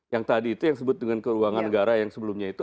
yang tadi itu yang disebut dengan keuangan negara yang sebelumnya itu